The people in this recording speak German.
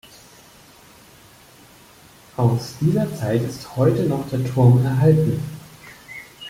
Aus dieser Zeit ist heute noch der Turm erhalten.